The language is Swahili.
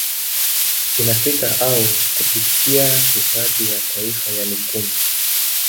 Inafika au kupitia hifadhi ya taifa ya Mikumi